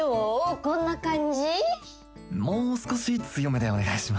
こんな感じ？